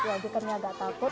ya juga kami agak takut